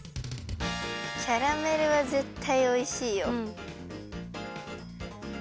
キャラメルはぜったいおいしいよ。